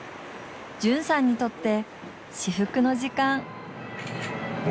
絢さんにとって至福の時間。